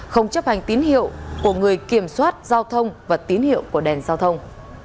không chấp hành tín hiệu của người kiểm soát giao thông và tín hiệu của đèn giao thông